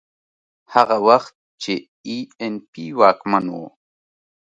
هغه وخت چې اي این پي واکمن و.